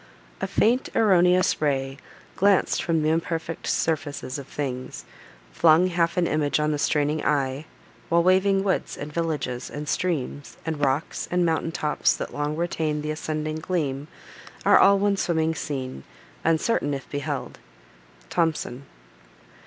A faint erroneous ray, Glanc'd from th' imperfect surfaces of things, Flung half an image on the straining eye; While waving woods, and villages, and streams, And rocks, and mountain tops, that long retain The ascending gleam, are all one swimming scene, Uncertain if beheld. THOMSON.